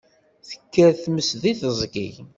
Tekker tmes deg teẓgi.